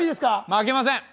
負けません！